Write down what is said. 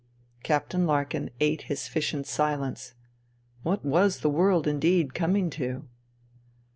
Captain Larkin ate his fish in silence. What was the world indeed coming to